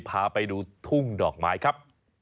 พาไปดูทุ่งดอกไม้ครับ